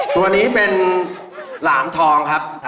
ตัวนี้เป็นหลานทองครับ